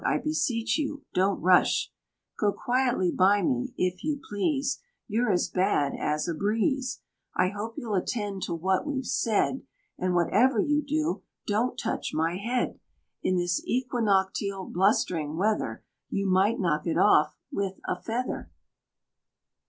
I beseech you, don't rush, Go quietly by me, if you please You're as bad as a breeze. I hope you'll attend to what we've said; And whatever you do don't touch my head, In this equinoctial, blustering weather You might knock it off with a feather."